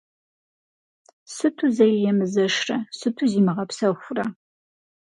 Сыту зэи емызэшрэ, сыту зимыгъэпсэхурэ?